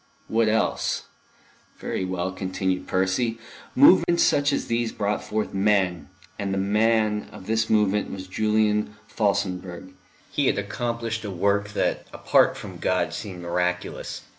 What else?... Very well, continued Percy, movements such as these brought forth men, and the Man of this movement was Julian Felsenburgh. He had accomplished a work that apart from God seemed miraculous.